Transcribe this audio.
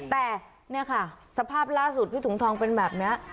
แต่เนี่ยค่ะสภาพล่าสุดพี่ถุงทองเป็นแบบนี้